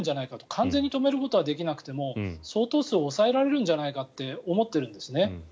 完全に止めることはできなくても相当数抑えられるんじゃないかと思っているんですね。